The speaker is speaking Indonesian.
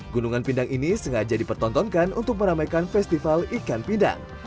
gunungan pindang ini sengaja dipertontonkan untuk meramaikan festival ikan pindang